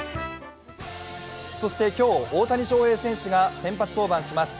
そして今日、大谷翔平選手が先発登板します。